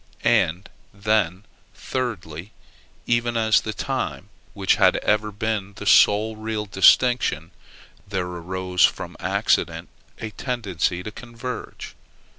And, then, thirdly, even as to the time, which had ever been the sole real distinction, there arose from accident a tendency to converge.